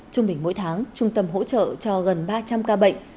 trung bình mỗi tháng trung tâm hỗ trợ cho gần ba trăm linh ca bệnh